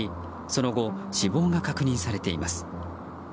その後、死亡が確認されています。